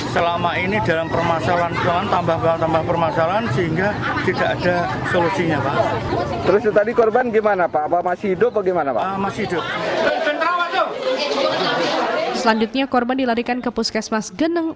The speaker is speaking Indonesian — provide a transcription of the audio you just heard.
selanjutnya korban dilarikan ke puskesmas geneng